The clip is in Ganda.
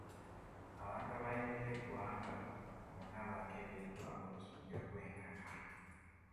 Abantu abayingira eggwanga bonna baakebeddwa omusujja gw'enkaka.